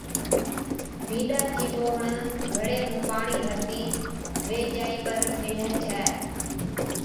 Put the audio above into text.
بِينڏا چِي ٻوھڻ گھَڙي مُون پاڻِي ڀرتِي وي جائِي پر ميلهي ڇَي